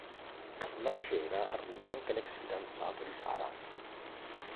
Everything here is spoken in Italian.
Sulla scena arriva anche l'ex fidanzato di Sarah.